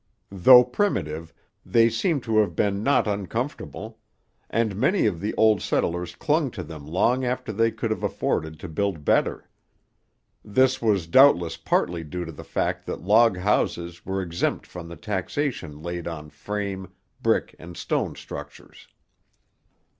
Though primitive, they seem to have been not uncomfortable; and many of the old settlers clung to them long after they could have afforded to build better. This was doubtless partly due to the fact that log houses were exempt from the taxation laid on frame, brick, and stone structures.